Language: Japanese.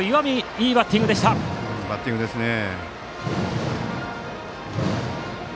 いいバッティングですね。